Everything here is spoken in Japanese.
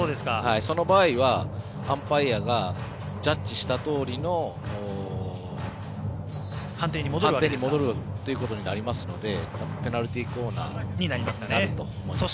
その場合はアンパイアがジャッジしたとおりの判定に戻るということになるのでペナルティーコーナーになると思います。